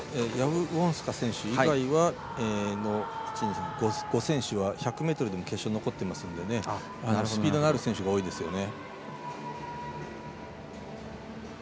生まれたときからの確かヤブウォンスカ選手以外の５選手は１００ｍでも決勝に残ってますのでスピードのある選手が多いですよね。